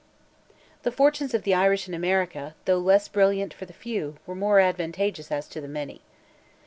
The fortunes of the Irish in America, though less brilliant for the few, were more advantageous as to the many.